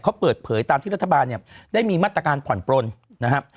เขาเปิดเผยตามที่รัฐบาลเนี่ยได้มีมาตรการผ่อนปลนนะครับ